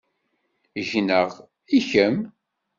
Gneɣ, i kemm?